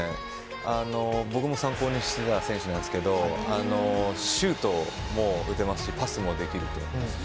僕も参考にしていた選手なんですがシュートも打てますしパスもできると。